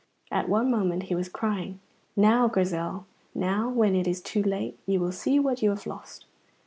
At one moment he was crying, "Now, Grizel, now, when it is too late, you will see what you have lost."